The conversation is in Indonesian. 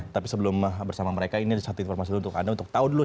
tapi sebelum bersama mereka ini ada satu informasi untuk anda untuk tahu dulu